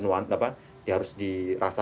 diharus dirasakan sebagai sesuatu yang tidak berhasil